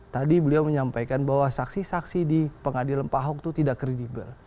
tadi beliau menyampaikan bahwa saksi saksi di pengadilan pak ahok itu tidak kredibel